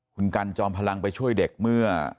คุณกันจอมพลังไปช่วยเด็กเมื่อ